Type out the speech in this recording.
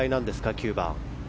９番。